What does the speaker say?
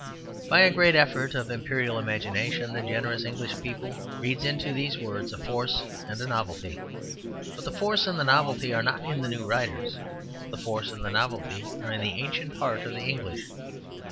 By a great effort of Imperial imagination the generous English people reads into these works a force and a novelty. But the force and the novelty are not in the new writers; the force and the novelty are in the ancient heart of the English.